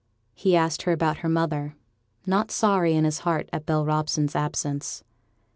He asked her about her mother; not sorry in his heart at Bell Robson's absence.